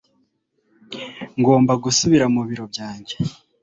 Ngomba gusubira mu biro byanjye